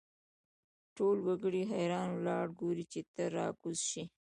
ټول وګړي حیران ولاړ ګوري چې ته را کوز شې.